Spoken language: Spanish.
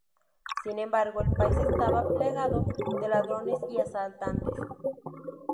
Sin embargo, el país estaba plagado de ladrones y asaltantes.